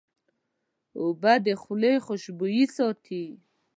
اوبه د خولې خوشبویي ساتي.